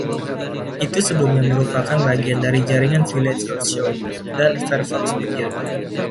Itu sebelumnya merupakan bagian dari jaringan Village Roadshow dan Fairfax Media.